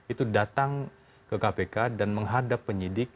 itu datang ke kpk dan menghadap penyidik